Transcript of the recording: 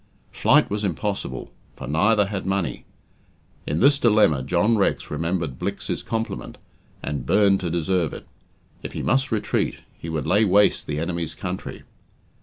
Flight was impossible, for neither had money. In this dilemma John Rex remembered Blicks's compliment, and burned to deserve it. If he must retreat, he would lay waste the enemy's country.